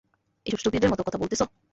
এসব স্টুপিডের মতো কথা বলতেছো।